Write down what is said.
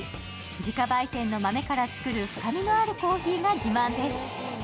自家焙煎の豆から作る深みのあるコーヒーが自慢です。